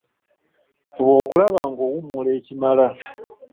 Fuba okulaba ng’owummula ekimala.